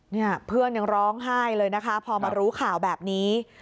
เนี่ยเพื่อนยังร้องไห้เลยนะคะพอมารู้ข่าวแบบนี้